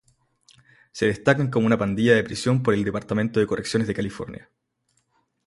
Se destacan como una pandilla de prisión por el Departamento de Correcciones de California.